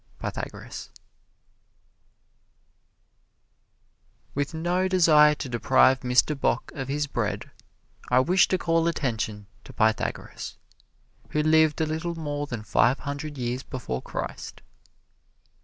Pythagoras PYTHAGORAS With no desire to deprive Mr. Bok of his bread, I wish to call attention to Pythagoras, who lived a little more than five hundred years before Christ.